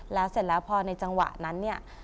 แล้วเสร็จแล้วพอในจังหวะนั้นเนี่ย